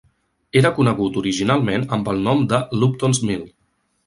Era conegut originalment amb el nom de Luptons Mill.